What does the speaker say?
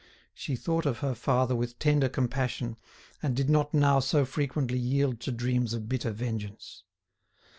She thought of her father with tender compassion, and did not now so frequently yield to dreams of bitter vengeance.